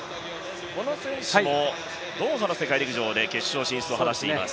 この選手もドーハの世界陸上で決勝進出を果たしています。